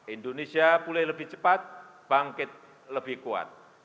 indonesia pulih lebih cepat bangkit lebih kuat